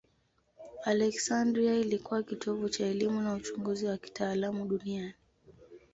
Aleksandria ilikuwa kitovu cha elimu na uchunguzi wa kitaalamu duniani.